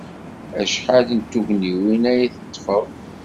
Acḥal n tugniwin ay d-teḍḍfeḍ?